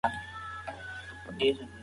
انا په وېره کې خپل لاسونه بېرته راکش کړل.